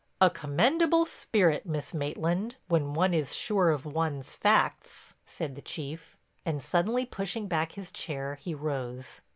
"A commendable spirit, Miss Maitland, when one is sure of one's facts," said the Chief, and suddenly pushing back his chair he rose.